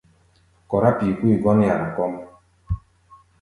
Kɔrá pi̧i̧ kui gɔ́n yara kɔ́ʼm.